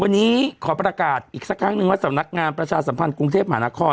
วันนี้ขอประกาศอีกสักครั้งนึงว่าสำนักงานประชาสัมพันธ์กรุงเทพมหานคร